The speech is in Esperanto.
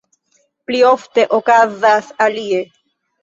Pli ofte okazas alie.